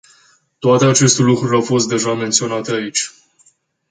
Toate aceste lucruri au fost deja menționate aici.